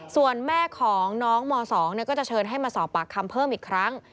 ส่วนแม่ของน้องม๒ก็จะเชิญให้มาสอบปากคำเพิ่มอีกครั้ง